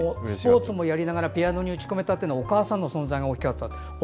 スポーツもやりながらピアノに打ち込めたのはお母さんの存在が大きかったと。